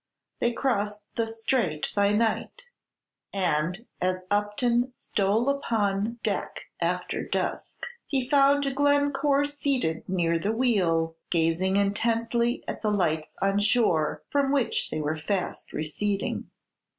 They crossed the strait by night, and as Upton stole upon deck after dusk, he found Glencore seated near the wheel, gazing intently at the lights on shore, from which they were fast receding.